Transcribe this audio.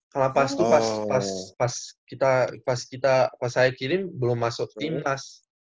kalau pas itu pas pas pas kita pas kita pas saya kirim belum masuk timnas